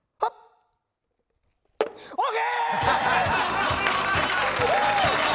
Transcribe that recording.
ＯＫ！